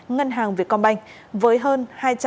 ngân hàng việt công banh với hơn